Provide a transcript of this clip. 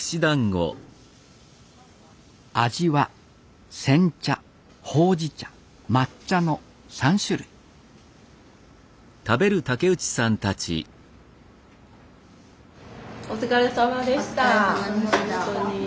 味は煎茶ほうじ茶抹茶の３種類お疲れさまでした本当に。